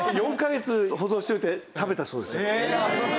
４カ月保存しておいて食べたそうです。